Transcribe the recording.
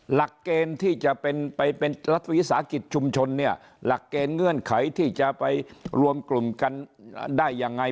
หลักเกณฑ์ที่จะเป็นไปเป็นรัฐวิสาหกิจชุมชนเนี่ยหลักเกณฑ์เงื่อนไขที่จะไปรวมกลุ่มกันได้ยังไง